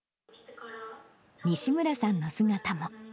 西村さんの姿も。